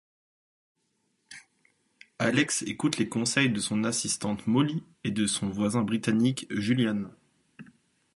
Alex écoute les conseils de son assistante Molly et de son voisin britannique Julian.